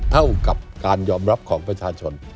เท่ากับการยอมรับของประชาชน